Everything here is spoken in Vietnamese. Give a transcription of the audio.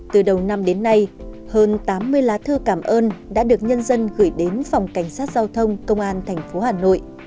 từ đầu năm đến nay hơn tám mươi lá thư cảm ơn đã được nhân dân gửi đến phòng cảnh sát giao thông công an tp hà nội